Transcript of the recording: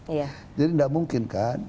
jadi tidak mungkin kan